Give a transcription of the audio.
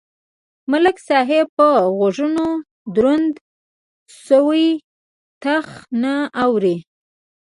ملک صاحب په غوږونو دروند شوی ټخ نه اوري.